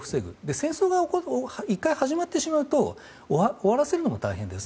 戦争が１回始まってしまうと終わらせるのも大変です。